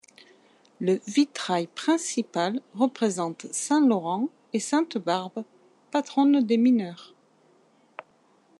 Le vitrail principal représente saint Laurent et sainte Barbe, patronne des mineurs.